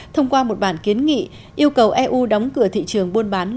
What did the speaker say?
thông qua một bản kiến nghị yêu cầu eu đóng cửa thị trường